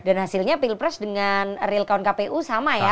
dan hasilnya pilpres dengan realkaun kpu sama ya